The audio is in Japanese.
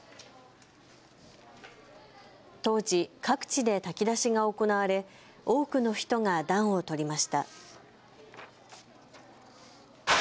当時、各地で炊き出しが行われ多くの人が暖を取りました。